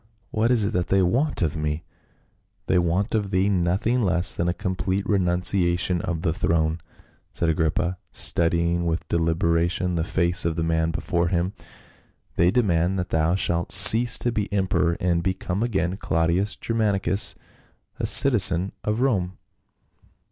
What is it that they want of me ?" "They want of thee nothing less than a complete renunciation of the throne," said Agrippa, studying with deliberation the face of the man before him. " They demand that thou shalt cease to be emperor, and become again Claudius Germanicus, a citizen of Rome."